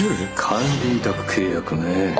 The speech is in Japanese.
管理委託契約ねえ。